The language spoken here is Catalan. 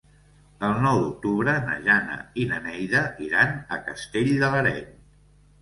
El nou d'octubre na Jana i na Neida iran a Castell de l'Areny.